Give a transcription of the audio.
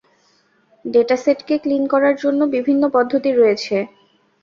ডেটাসেটকে clean করার জন্য বিভিন্ন পদ্ধতি রয়েছে।